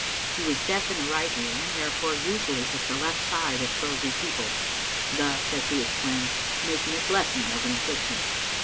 He was deaf in the right ear, and therefore usually took the left side of prosy people, thus, as he explained, making a blessing of an af&iction.